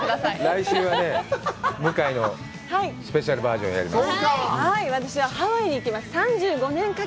来週は向井のスペシャルバージョンやります。